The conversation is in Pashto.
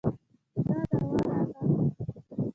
دا دوا راکه.